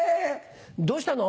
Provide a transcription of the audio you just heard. どうしたの？